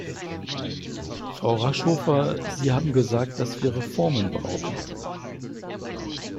Frau Raschhofer, Sie haben gesagt, dass wir Reformen brauchen.